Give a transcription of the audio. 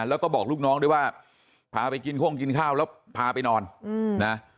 แล้วก็บอกลูกน้องด้วยว่าพาไปกินโค้งกินข้าวแล้วพาไปนอนนะ